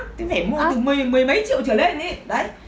phải mua từ mười mấy triệu trở lên ý